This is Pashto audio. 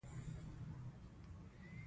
سوداګریزې چارې د دولت په انحصار کې راوستې وې.